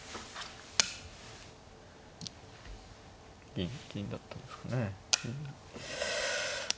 銀銀だったですかね。